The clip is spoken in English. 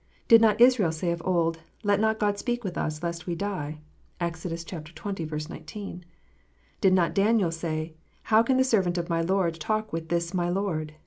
Did not Israel say of old, " Let not God speak with us, lest we die "? (Exod. xx. 19.) Did not Daniel say, "How can the servant of my Lord talk with this my Lord